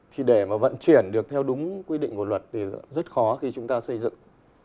thì để mà vận chuyển được theo đúng quy định của luật thì rất khó khi chúng ta xây dựng